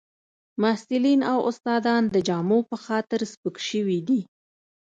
محصلین او استادان د جامو په خاطر سپک شوي دي